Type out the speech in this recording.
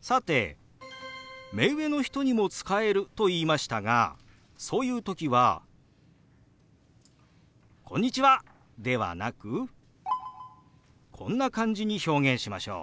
さて目上の人にも使えると言いましたがそういう時は「こんにちは！」ではなくこんな感じに表現しましょう。